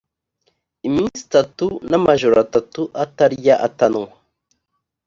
iminsi itatu n amajoro atatu atarya atanywa